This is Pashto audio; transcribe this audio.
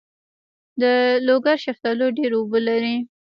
د لوګر شفتالو ډیر اوبه لري.